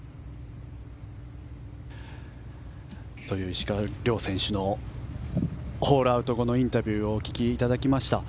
という石川遼選手のホールアウト後のインタビューをお聞きいただきました。